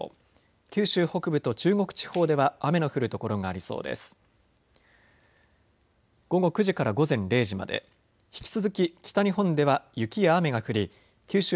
九州北部と中国地方では雨の降る所がありそうです。